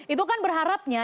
itu kan berharapnya